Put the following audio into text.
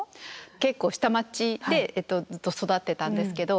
結構下町でずっと育ってたんですけど